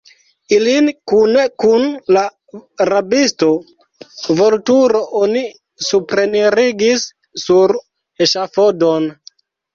Ilin kune kun la rabisto Vulturo oni suprenirigis sur eŝafodon.